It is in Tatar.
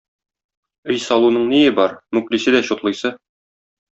Өй салуның ние бар - мүклисе дә чутлыйсы.